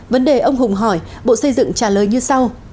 vấn đề ông hùng hỏi bộ xây dựng trả lời như sau